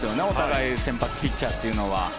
お互い先発ピッチャーというのは。